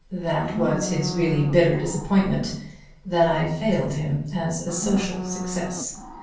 That was his really bitter disappointment that I failed him as a social success.